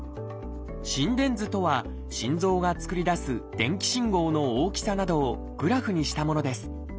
「心電図」とは心臓が作り出す電気信号の大きさなどをグラフにしたものです。